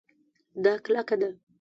دا کلکه ده